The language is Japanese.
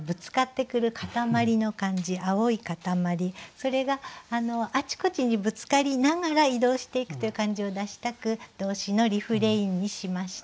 それがあちこちにぶつかりながら移動していくという感じを出したく動詞のリフレインにしました。